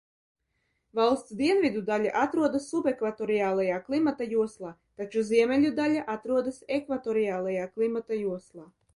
Valsts dienvidu daļa atrodas subekvatoriālajā klimata joslā, taču ziemeļu daļa atrodas ekvatoriālajā klimata joslā.